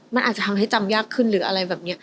มันอาจจะทำให้จำยากขึ้นหรืออะไรแบบนี้